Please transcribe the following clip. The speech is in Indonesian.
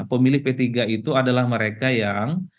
pemilih p tiga itu adalah mereka yang